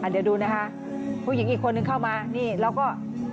เดี๋ยวดูนะคะผู้หญิงอีกคนนึงเข้ามานี่แล้วก็